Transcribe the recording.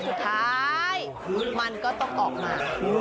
สุดท้ายมันก็ต้องออกมา